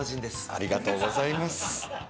ありがとうございます。